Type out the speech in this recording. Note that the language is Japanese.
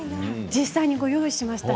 実際にご用意しました。